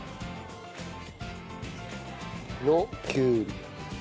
きゅうり。